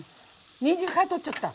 にんじん皮取っちゃった？